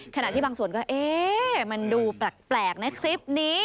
ขณะที่บางส่วนก็เอ๊ะมันดูแปลกนะคลิปนี้